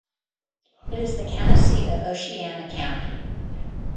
It is the county seat of Oceana County.